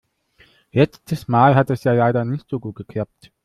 Letztes Mal hat es ja leider nicht so gut geklappt.